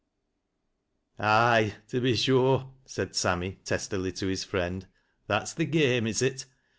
" Aye, to be sure !" said Sammy testily to his friend. " That's th' game is it